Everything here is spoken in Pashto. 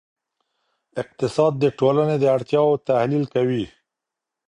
اقتصاد د ټولنې د اړتیاوو تحلیل کوي.